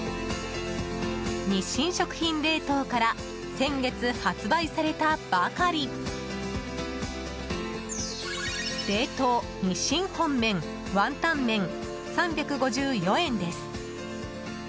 日清食品冷凍から先月発売されたばかり冷凍日清本麺ワンタン麺３５４円です。